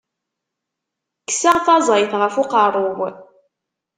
Kkseɣ taẓayt ɣef uqerru-w.